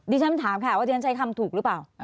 ฉันถามค่ะว่าดิฉันใช้คำถูกหรือเปล่า